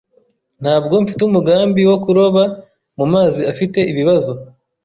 Ntabwo mfite umugambi wo kuroba mumazi afite ibibazo.